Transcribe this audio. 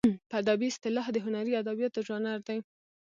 په ادبي اصطلاح د هنري ادبیاتو ژانر دی.